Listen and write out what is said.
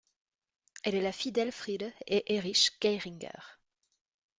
Elle est la fille d'Elfriede et Erich Geiringer.